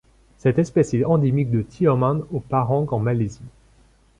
Cette espèce est endémique de Tioman au Pahang en Malaisie.